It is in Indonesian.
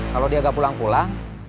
kalau dia nggak pulang pulang